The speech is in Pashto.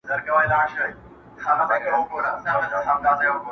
خدای مي تاج وو پر تندي باندي لیکلی!!